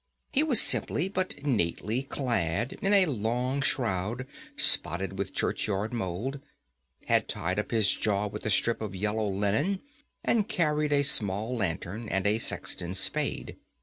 He was simply but neatly clad in a long shroud, spotted with churchyard mould, had tied up his jaw with a strip of yellow linen, and carried a small lantern and a sexton's spade.